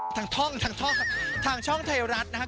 ทางท่องทางท่องทางช่องไทยรัฐนะคะ